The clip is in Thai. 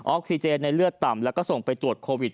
ออกซิเจนในเลือดต่ำแล้วก็ส่งไปตรวจโควิด